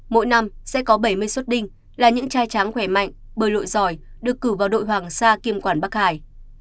mỗi năm sẽ có bảy mươi xuất đinh là những chai tráng khỏe mạnh bơi lội giỏi được cử vào đội hoàng sa kiêm quản bắc hải